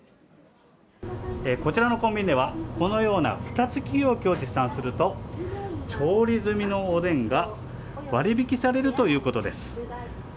こちらのコンビニでは、このようなふた付き容器を持参すると、調理済みのおでんが割引されるということです。